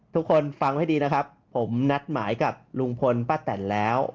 ฟังให้ดีนะครับผมนัดหมายกับลุงพลป้าแตนแล้ว